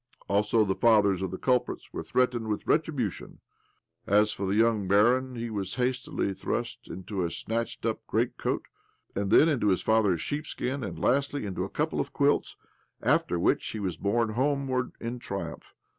Also, the fathers of the culprits were threatened with retribution. As for the young Ъагіп, he was hastily thrust into a snatched up greatcoat, then into his father's sheepskin, and, lastly," into a couple of quilts ; after which he was borne homeward in triumph